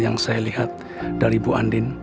yang saya lihat dari bu andin